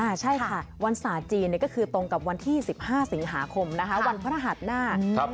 ใช่ค่ะวันศาสตร์จีนก็คือตรงกับวันที่๑๕สิงหาคมนะคะวันพระหัสหน้า